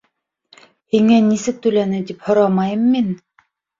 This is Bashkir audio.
— Һиңә нисек түләне тип һорамайым мин.